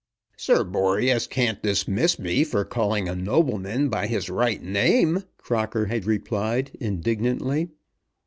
"Sir Boreas can't dismiss me for calling a nobleman by his right name," Crocker had replied indignantly.